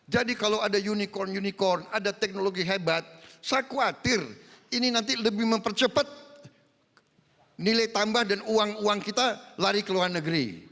jadi kalau ada unicorn unicorn ada teknologi hebat saya khawatir ini nanti lebih mempercepat nilai tambah dan uang uang kita lari ke luar negeri